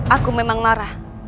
aku memang marah